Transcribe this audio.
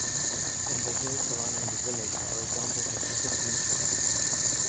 On the hills surrounding the village are examples of strip lynchets.